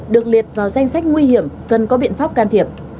được liệt vào danh sách nguy hiểm cần có biện pháp can thiệp